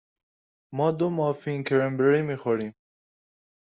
ما دو مافین کرنبری می خوریم.